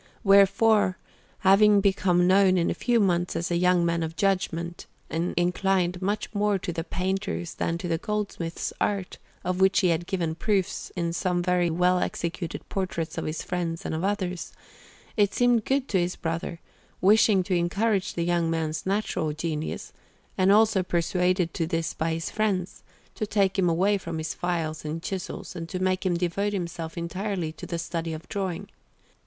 Wherefore, having become known in a few months as a young man of judgment, and inclined much more to the painter's than to the goldsmith's art, of which he had given proofs in some very well executed portraits of his friends and of others, it seemed good to his brother, wishing to encourage the young man's natural genius, and also persuaded to this by his friends, to take him away from his files and chisels, and to make him devote himself entirely to the study of drawing.